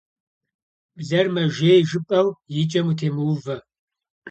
Блэр мэжей жыпӏэу и кӏэм утемыувэ.